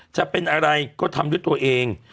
จะเป็นอะไรก็ทำด้วยตัวเอง